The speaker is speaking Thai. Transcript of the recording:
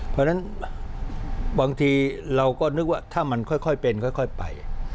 เพราะฉะนั้นบางทีเราก็นึกว่าถ้ามันค่อยเป็นค่อยไป